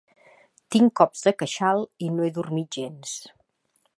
Tinc cops de queixal i no he dormit gens.